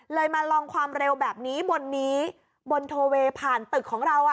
มาลองความเร็วแบบนี้บนนี้บนโทเวผ่านตึกของเราอ่ะ